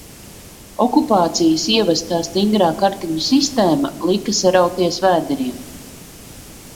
Okupācijas ievestā stingrā kartiņu sistēma lika sarauties vēderiem.